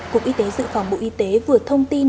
cục y tế dự phòng bộ y tế vừa thông tin